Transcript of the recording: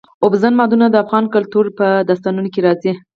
اوبزین معدنونه د افغان کلتور په داستانونو کې راځي.